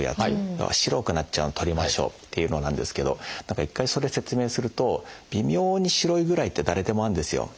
要は白くなっちゃうのを取りましょうっていうのなんですけど何か一回それ説明すると微妙に白いぐらいって誰でもあるんですよ。